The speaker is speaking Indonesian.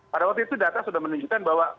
pada waktu itu data sudah menunjukkan bahwa